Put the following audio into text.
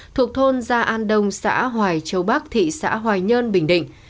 thuộc thôn gia an đông xã hoài châu bắc thị xã hoài nhơn bình định